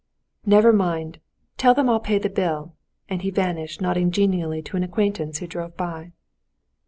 "Never mind; you tell them I'll pay the bill!" and he vanished, nodding genially to an acquaintance who drove by.